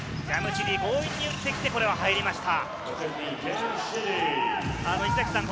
強引に打ってきて入りました。